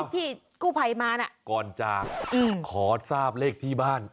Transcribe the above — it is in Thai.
ที่กู้ภัยมานะก่อนจะขอทราบเลขที่บ้าน